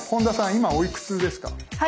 今おいくつですか？